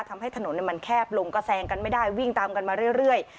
ทำให้ถนนมันแคบลงก็แซงกันไม่ได้วิ่งตามกันมาเรื่อย